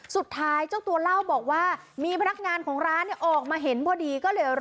สุดท้ายเจ้าตัวเล่าบอกว่ามีพนักงานของร้านเนี่ยออกมาเห็นพอดี